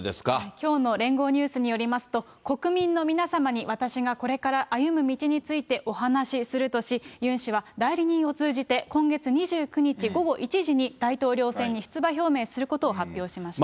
きょうの聯合ニュースによりますと、国民の皆様に私がこれから歩む道についてお話しするとし、ユン氏は代理人を通じて、今月２９日午後１時に大統領選に出馬表明することを発表しました。